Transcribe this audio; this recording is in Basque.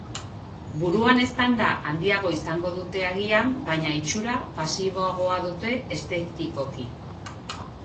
Buruan eztanda handia izango dute, agian, baina itxura pasiboagoa dute estetikoki.